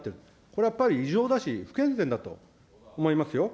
これはやっぱり異常だし、不健全だと思いますよ。